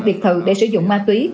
biệt thự để sử dụng ma túy